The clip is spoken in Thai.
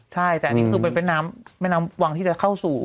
ใช่แต่อันนี้คือเป็นแม่น้ำแม่น้ำวังที่จะเข้าสู่